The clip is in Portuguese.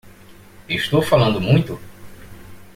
Estou falando muito?